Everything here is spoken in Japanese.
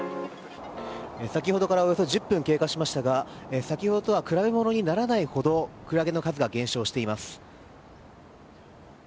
先ほどからおよそ１０分経過しましたが先ほどとは比べ物にならないほどクラゲの数が減少しています。